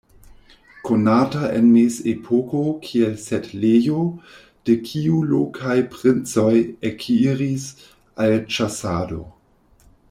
Konata en mezepoko kiel setlejo, de kiu lokaj princoj ekiris al ĉasado.